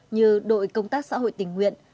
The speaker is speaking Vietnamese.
như đội công tác xã hội tình nguyện